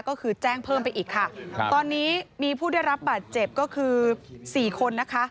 ก็คือแจ้งเพิ่มไปอีกค่ะครับตอนนี้มีผู้ได้รับบาดเจ็บก็คือสี่คนนะคะ